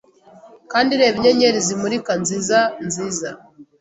Kandi reba inyenyeri zimurika nziza nziza